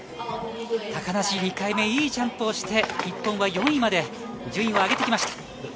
高梨２回目、いいジャンプをして、日本は４位まで順位を上げてきました。